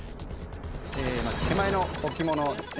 まず手前の置物ですね。